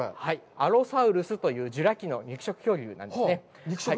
アロサウルスというジュラ紀の肉食恐竜なんですね。